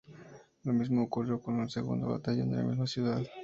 Lo mismo ocurrió con un segundo batallón de la misma unidad.